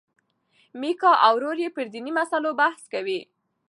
میکا او ورور یې پر دیني مسلو بحث کوي.